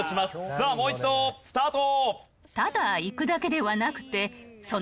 さあもう一度スタート。